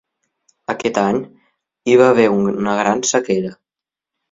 Aquest any hi va haver una gran sequera.